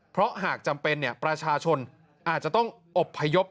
เพราะหากจำเป็นประชาชนอาจจะต้องอบพยพ